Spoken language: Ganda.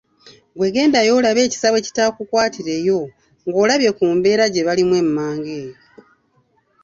Gwe gendayo olabe ekisa bwe kitaakukwatireyo ng’olabye ku mbeera gye balimu emmanga eyo.